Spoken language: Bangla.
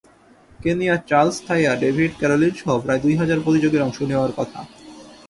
কেনিয়ার চার্লস থাইয়া, ডেভিড ক্যারোলিনসহ প্রায় দুই হাজার প্রতিযোগীর অংশ নেওয়ার কথা।